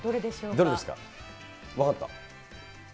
どれですか、分かった？